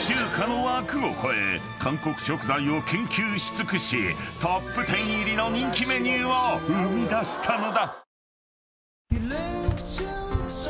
［韓国食材を研究し尽くしトップ１０入りの人気メニューを生み出したのだ］